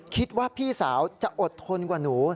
คิดว่าพี่สาวจะอดทนกว่าหนู